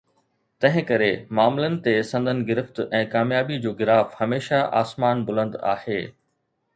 تنهن ڪري، معاملن تي سندن گرفت ۽ ڪاميابي جو گراف هميشه آسمان بلند آهي